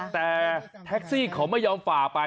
แต่แท็กซี่เขาไม่ยอมฝ่าไป